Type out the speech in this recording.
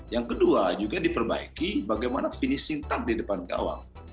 yang kedua juga diperbaiki bagaimana finishing touch di depan gawang